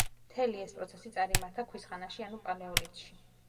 მთელი ეს პროცესი წარიმართა ქვის ხანაში ანუ პალეოლითში.